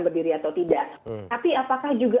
berdiri atau tidak tapi apakah juga